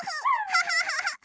ハハハ。